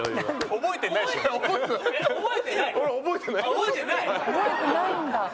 覚えてないんだ！